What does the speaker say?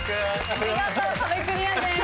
見事壁クリアです。